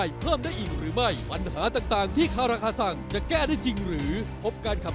อยู่ตรงนี้ดีเลยครับ